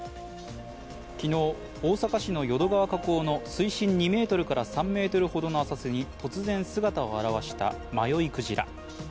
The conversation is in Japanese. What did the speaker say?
昨日、大阪市の淀川河口の水深２ｍから３ｍほどの浅瀬に突然姿を現した迷いクジラ。